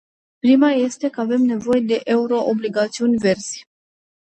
Prima este că avem nevoie de euro-obligațiuni verzi.